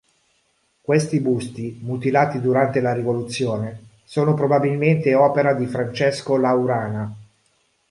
Questi busti, mutilati durante la rivoluzione, sono probabilmente opera di Francesco Laurana.